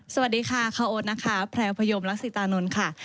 สวัสดีค่ะข้าวโอ๊ตนะคะแพลวพยมรักษิตานนท์ค่ะ